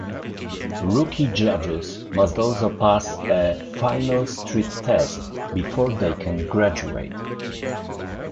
Rookie judges must also pass a "final street test" before they can graduate.